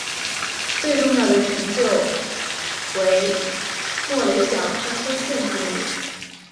最重要的成就为莫雷角三分线定理。